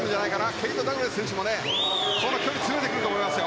ケイト・ダグラスもこの距離詰めてくると思います。